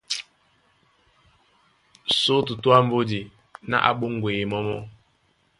Só Tutú á mbódi ná á ɓóŋgweye mɔ́ mɔ́.